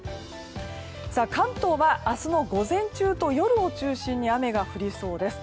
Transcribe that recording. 関東は明日の午前中と夜を中心に雨が降りそうです。